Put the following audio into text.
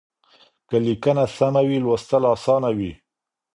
که ليکنه سمه وي لوستل اسانه وي.